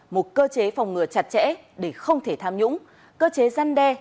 một cơ chế phòng ngừa chặt chẽ để không thể tham nhũng cơ chế gian đe